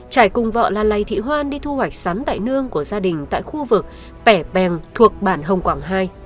trải cùng vợ la lây thị hoan đi thu hoạch sắn đại nương của gia đình tại khu vực pẻ bèn thuộc bản hồng quảng hai